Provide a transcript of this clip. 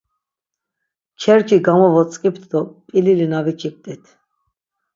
Kerki gamovotzkipt do p̌lili na vikip̌t̆it.